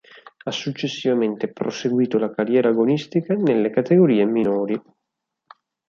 Ha successivamente proseguito la carriera agonistica nelle categorie minori.